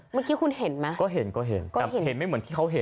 เมื่อกี้เห็นไหม